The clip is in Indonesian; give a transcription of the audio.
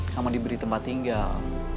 kamu diberi tempat tinggal